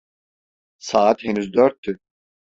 Saat henüz dörttü.